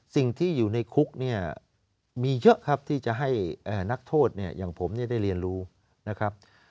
สิ่งที่อยู่ในคุกเนี่ยมีเยอะครับที่จะให้นักโทษเนี่ยอย่างผมเนี่ยได้เรียนรู้นะครับ